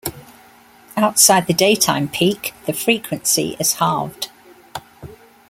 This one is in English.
Outside of the daytime peak, the frequency is halved.